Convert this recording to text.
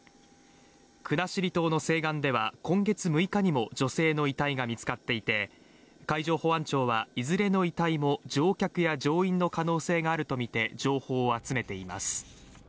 国後島の西岸では、今月６日にも女性の遺体が見つかっていて海上保安庁は、いずれの遺体も乗客や乗員の可能性があるとみて情報を集めています。